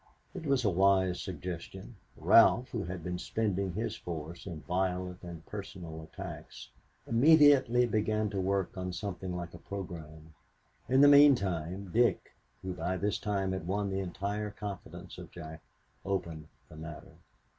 It was a wise suggestion. Ralph, who had been spending his force in violent and personal attack, immediately began to work on something like a program. In the meantime Dick, who by this time had won the entire confidence of Jack, opened the matter.